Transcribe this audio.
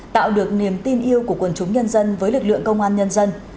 tạo được niềm tin yêu của quần chúng nhân dân với lực lượng công an nhân dân